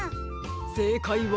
せいかいは。